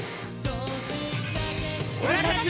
俺たちを。